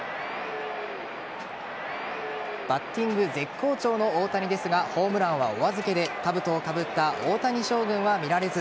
バッティング絶好調の大谷ですがホームランはお預けでかぶとをかぶった大谷将軍は見られず。